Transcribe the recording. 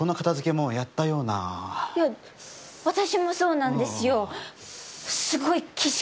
いや、私もそうなんですよ。